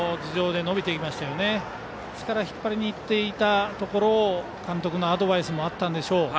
ですから引っ張りにいっていたところ監督のアドバイスもあったんでしょう。